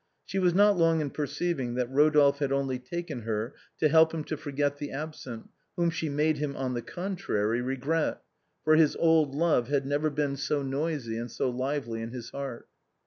She was not long in perceiving that Rodolphe had only taken her to help him to forget the absent, whom she made him on the contrary regret, for his old love had never been so noisy and so lively in his heart.